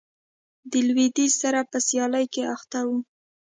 د لوېدیځ سره په سیالۍ کې اخته و.